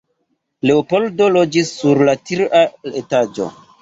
Leopoldo loĝis sur la tria etaĝo.